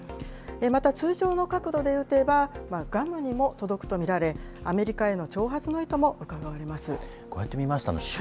また通常の角度で撃てば、グアムにも届くと見られ、アメリカへの挑発の意図もうかがえます。